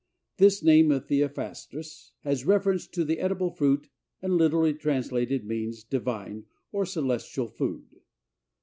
This name of Theophrastus has reference to the edible fruit and literally translated means divine or celestial food.